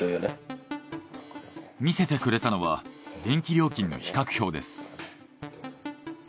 見せてくれたのは電気料金の比較表です。